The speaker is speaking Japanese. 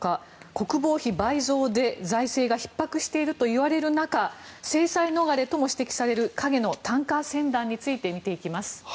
国防費倍増で、財政がひっ迫しているといわれる中制裁逃れとも指摘される影のタンカー船団について見ていきます。